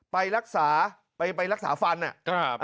ไปรักษาไปไปรักษาฟันอ่ะครับ